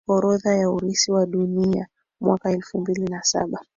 orodha ya urithi wa Dunia Mwaka elfumbili na Saba